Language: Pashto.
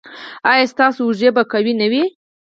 ایا ستاسو اوږې به قوي نه وي؟